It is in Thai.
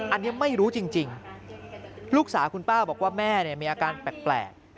อันนี้ไม่รู้จริงลูกสาวคุณป้าบอกว่าแม่มีอาการแปลก